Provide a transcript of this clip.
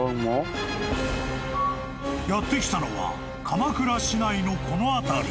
［やって来たのは鎌倉市内のこの辺り］